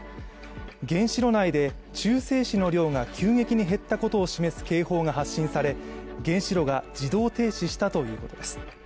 原子炉内で中性子の量が急激に減ったことを示す警報が発信され、原子炉が自動停止したということです。